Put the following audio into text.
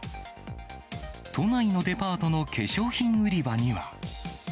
都内のデパートの化粧品売り場には。